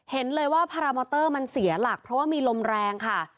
เห็นเลยว่าพารามอเตอร์มันเสียหลักเพราะว่ามีลมแรงค่ะ